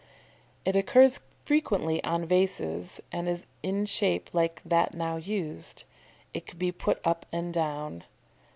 "] It occurs frequently on vases, and is in shape like that now used. It could be put up and down.